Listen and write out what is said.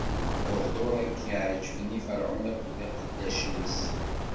Lehduṛ-agi ɛeǧben i Ferɛun akked iqeddacen-is.